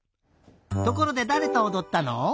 ところでだれとおどったの？